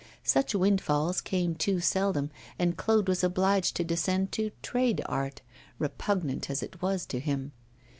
Such windfalls came too seldom, and Claude was obliged to descend to 'trade art,' repugnant as it was to him.